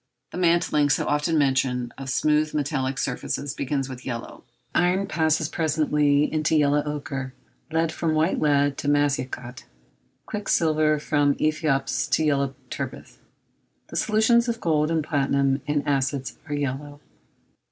The mantling, so often mentioned, of smooth metallic surfaces begins with yellow. Iron passes presently into yellow ochre, lead from white lead to massicot, quicksilver from æthiops to yellow turbith. The solutions of gold and platinum in acids are yellow.